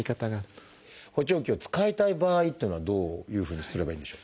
補聴器を使いたい場合っていうのはどういうふうにすればいいんでしょう？